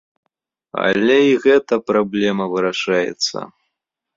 Але і гэтая праблема вырашаецца.